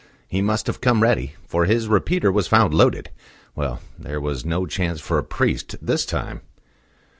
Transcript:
"He must have come ready, for his repeater was found loaded. Well, there was no chance for a priest this time."